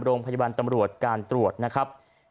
โรงพยาบาลตำรวจการตรวจนะครับ